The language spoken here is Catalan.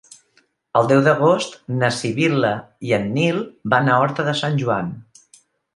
El deu d'agost na Sibil·la i en Nil van a Horta de Sant Joan.